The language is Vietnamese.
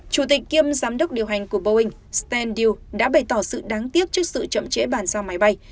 chủ tịch kiêm giám đốc điều hành của boeing stan deal đã bày tỏ sự đáng tiếc trước sự chậm chế bản giao máy bay